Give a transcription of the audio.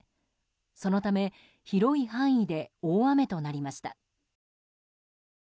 そのため、広い範囲で大雨となりました。